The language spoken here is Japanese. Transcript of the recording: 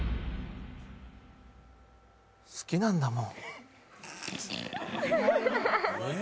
好きなんだもん。